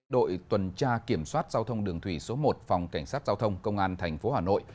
đội tuần tra kiểm soát giao thông đường thủy số một phòng cảnh sát giao thông công an tp hà nội